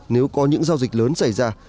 nếu có những giao dịch lớn xảy ra